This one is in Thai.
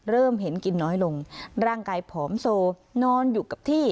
เริ่มเห็นกินน้อยลงร่างกายผอมโซนอนอยู่กับที่